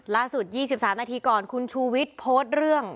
ล่าสุด๒๓นาทีก่อนคุณชูวิชโพสต์เรื่อง